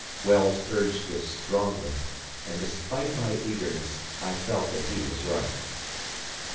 Wells urged this strongly; and despite my eagerness, I felt that he was right.